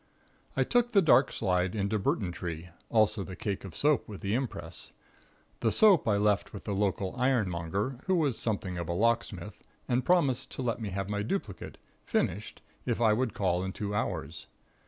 "I took the dark slide into Burtontree, also the cake of soap with the impress. The soap I left with the local ironmonger, who was something of a locksmith and promised to let me have my duplicate, finished, if I would call in two hours.